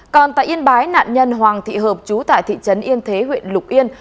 còn tại yên bái nạn nhân hoàng thị hợp chú tại thị trấn yên thế huyện lục yên